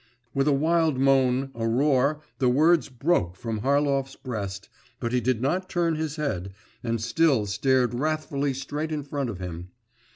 With a wild moan, a roar, the words broke from Harlov's breast, but he did not turn his head, and still stared wrathfully straight in front of him.